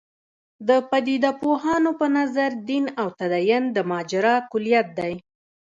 د پدیده پوهانو په نظر دین او تدین د ماجرا کُلیت دی.